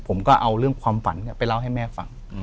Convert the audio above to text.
ผมก็เอาเรื่องความฝันไปเล่าให้แม่ฟัง